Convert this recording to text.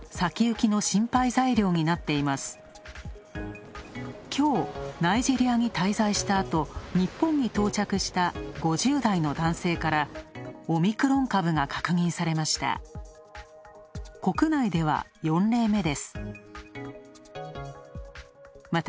きょう、ナイジェリアに滞在したあと日本に到着した５０代の男性から、オミクロン株が確認されました。